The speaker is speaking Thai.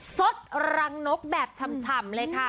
สดรังนกแบบฉ่ำเลยค่ะ